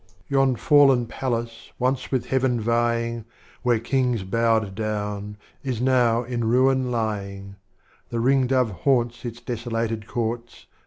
Yon fallen Palace once with Heaven vying, Where Kings bowed down, is now in ruin lying, The Ring dove haunts its desolated courts.